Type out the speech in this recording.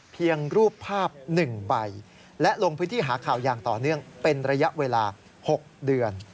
รูปภาพ๑ใบและลงพื้นที่หาข่าวอย่างต่อเนื่องเป็นระยะเวลา๖เดือน